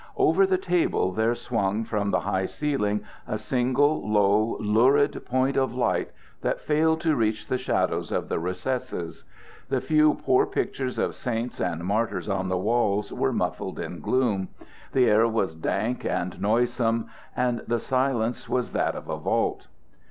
Over the table there swung from the high ceiling a single low, lurid point of light, that failed to reach the shadows of the recesses. The few poor pictures of saints and martyrs on the walls were muffled in gloom. The air was dank and noisome, and the silence was that of a vault.